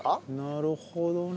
なるほどね。